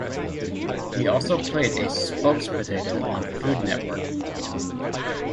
He also played a spokes-potato on Food Network.